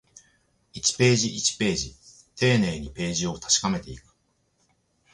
一ページ、一ページ、丁寧にページを確かめていく